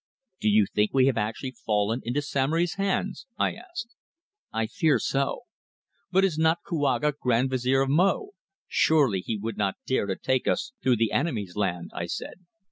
"Do you think we have actually fallen into Samory's hands?" I asked. "I fear so." "But is not Kouaga Grand Vizier of Mo? Surely he would not dare to take us through the enemy's land," I said.